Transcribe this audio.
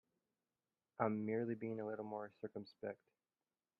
I'm merely being a little more circumspect.